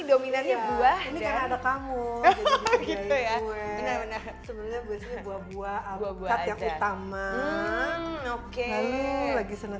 dominannya buah dan ada kamu gitu ya sebenarnya buah buah buah buah yang utama oke lagi senang